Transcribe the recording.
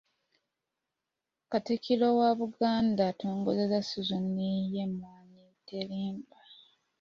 Katikkiro wa Buganda, atongozza sizoni y’Emmwannyi terimba.